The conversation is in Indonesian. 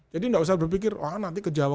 jadi enggak usah berpikir wah nanti ke jawa